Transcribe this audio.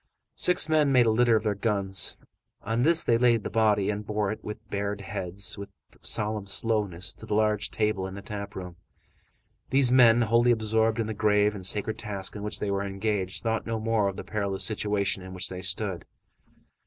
Six men made a litter of their guns; on this they laid the body, and bore it, with bared heads, with solemn slowness, to the large table in the tap room. These men, wholly absorbed in the grave and sacred task in which they were engaged, thought no more of the perilous situation in which they stood.